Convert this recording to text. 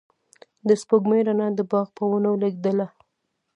د سپوږمۍ رڼا د باغ په ونو لګېدله.